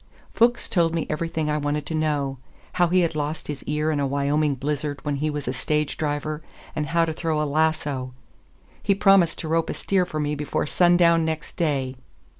Fuchs told me everything I wanted to know: how he had lost his ear in a Wyoming blizzard when he was a stage driver, and how to throw a lasso. He promised to rope a steer for me before sundown next day.